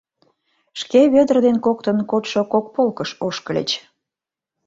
Шке Вӧдыр ден коктын кодшо кок полкыш ошкыльыч.